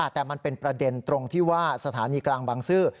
แต่มันเป็นประเด็นตรงที่ว่าสถานีกลางบางซื่อ